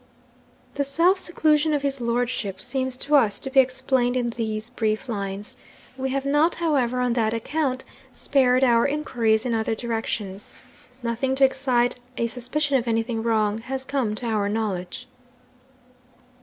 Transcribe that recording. The self seclusion of his lordship seems to us to be explained in these brief lines. We have not, however, on that account spared our inquiries in other directions. Nothing to excite a suspicion of anything wrong has come to our knowledge.